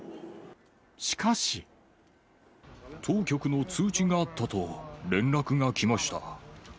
しかし。当局の通知があったと連絡が来ました。